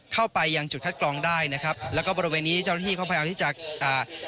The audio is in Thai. เข้าไปยังจุดคัดกรองได้นะครับแล้วก็บริเวณนี้เจ้าหน้าที่เขาพยายามที่จะอ่า